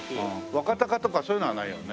「若貴」とかそういうのはないよね？